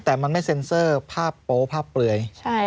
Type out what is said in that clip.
แต่มันไม่เซ็นเซอร์ภาพโป๊ภาพเปลือย